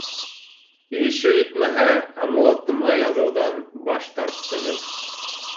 Ещё етмәһә, аңлатма яҙыуҙан баш тарттығыҙ.